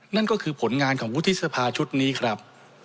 นั่นก็คือผลงานของวุฒิสภาชุดนี้ครับ